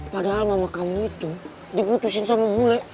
padahal mama kamu itu diputusin sama bule